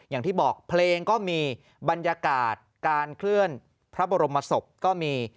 อย่างที่บอกเพลงก็มีบรรยากาศการเคลื่อนพระบรมศพก็มี